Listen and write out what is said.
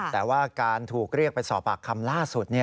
แต่ว่าการถูกเรียกไปสอบปากคำล่าสุด